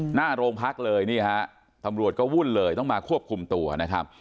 หน้าโรงพักเลยนี่ฮะตำรวจก็วุ่นเลยต้องมาควบคุมตัวนะครับ